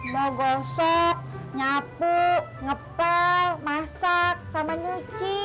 mau gosok nyapu ngepel masak sama nyuci